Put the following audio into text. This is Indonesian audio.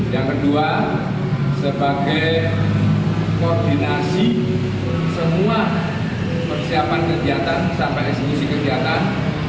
yang kedua sebagai koordinasi semua persiapan kegiatan sampai eksekusi kegiatan